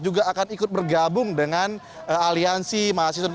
juga akan ikut bergabung dengan aliansi mahasiswa dan pemuda